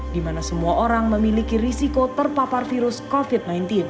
di mana semua orang memiliki risiko terpapar virus covid sembilan belas